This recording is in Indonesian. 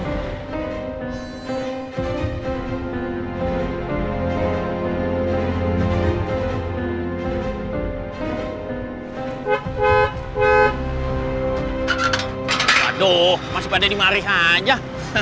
waduh masih pada dimarihan ya